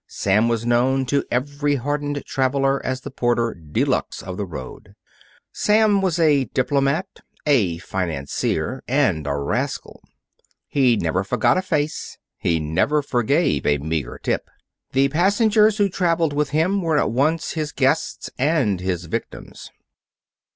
Sam was known to every hardened traveler as the porter de luxe of the road. Sam was a diplomat, a financier, and a rascal. He never forgot a face. He never forgave a meager tip. The passengers who traveled with him were at once his guests and his victims.